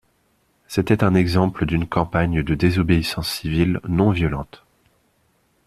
C’était un exemple d'une campagne de désobéissance civile non violente.